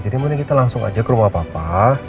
jadi mending kita langsung aja ke rumah papa